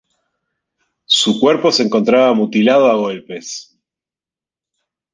Su cuerpo se encontraba mutilado a golpes.